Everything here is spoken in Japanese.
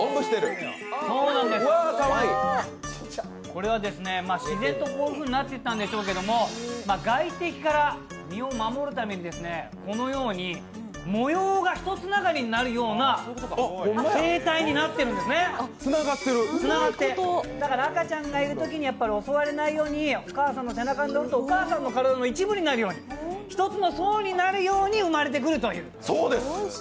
これは自然とこういうふうになっていったんでしょうけれども外敵から身を守るためにこのように模様がひとつながりになるようにつながって、だから赤ちゃんがいるときに襲われないように、お母さんの背中に乗るとお母さんの体の一部になるように、一つの層になるように生まれてくるという。